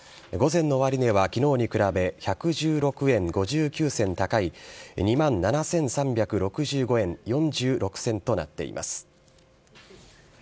午前の終値はきのうに比べ１１６円５９銭高い、２万７３６５円４６銭となっています。